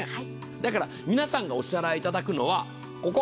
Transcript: だから皆さんがお支払いいただくのは、ここ。